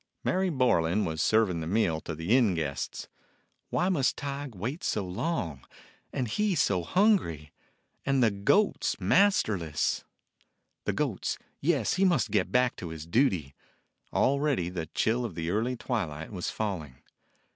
Mary Borlan was serving the meal to the inn guests. Why must Tige wait so long, and he so hungry, and the goats masterless? The goats — yes, he must get back to his 11 DOG HEROES OF MANY LANDS duty. Already the chill of the early twilight was falling.